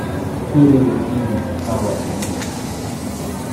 Two radial engines powered the blimp.